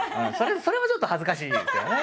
それもちょっと恥ずかしいですけどね。